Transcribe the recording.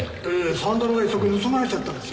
サンダルが一足盗まれちゃったんですよ。